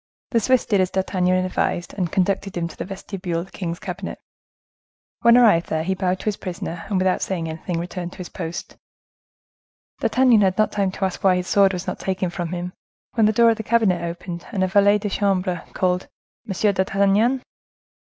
The Swiss did as D'Artagnan advised, and conducted him to the vestibule of the king's cabinet. When arrived there, he bowed to his prisoner, and, without saying anything, returned to his post. D'Artagnan had not had time to ask why his sword was not taken from him, when the door of the cabinet opened, and a valet de chambre called, "M. d'Artagnan!"